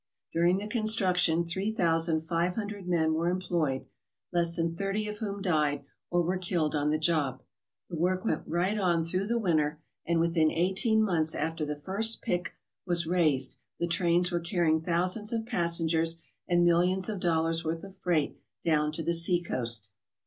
During the construction three thousand five hundred men were employed, less than thirty of whom died or were killed on the job. The work went on right through the winter, and within eight een months after the first pick was raised the trains were carrying thousands of passengers and millions of dollars' worth of freight down to the sea coast.